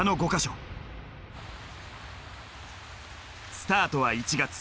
スタートは１月。